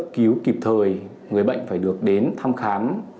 cấp thương và cứu kịp thời người bệnh phải được đến thăm khám